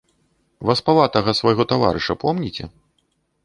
Васпаватага свайго таварыша помніце?